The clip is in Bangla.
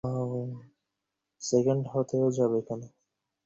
সেকেণ্ড হতে যাবে কেন?